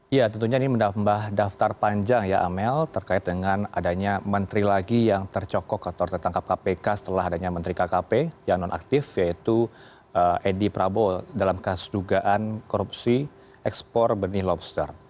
ya tentunya ini menambah daftar panjang ya amel terkait dengan adanya menteri lagi yang tercokok atau tertangkap kpk setelah adanya menteri kkp yang non aktif yaitu edi prabowo dalam kasus dugaan korupsi ekspor benih lobster